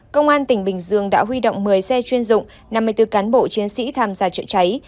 công an tỉnh bình dương đã huy động một mươi xe chuyên dụng năm mươi bốn cán bộ chiến sĩ tham gia chữa cháy